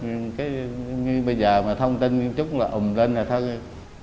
nhưng bây giờ mà thông tin chút là ùm lên là thôi